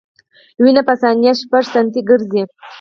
وینه په ثانیه شپږ سانتي ګرځي.